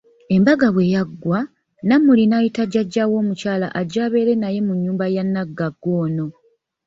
Embaga bwe yaggwa, Namuli n'ayita jjaja we omukyala ajje abeere naye mu nnyumba ya naggagga ono.